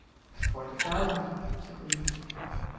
"Forty thousand," said Weems.